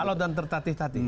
alot dan tertatih tatih